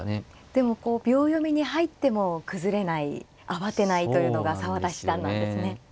でも秒読みに入っても崩れない慌てないというのが澤田七段なんですね。